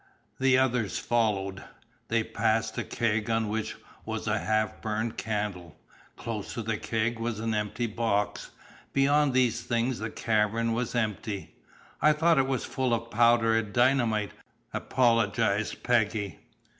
The others followed. They passed a keg on which was a half burned candle. Close to the keg was an empty box. Beyond these things the cavern was empty. "I thought it was full of powder and dynamite," apologized Peggy.